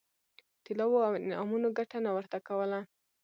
طلاوو او انعامونو ګټه نه ورته کوله.